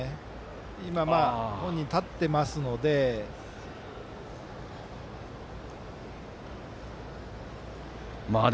今も本人、立っていますのでね。